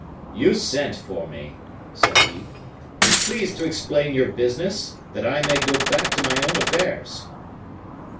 "You sent for me," said he. "Be pleased to explain your business, that I may go back to my own affairs."